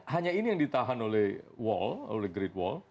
hanya ini yang ditahan oleh great wall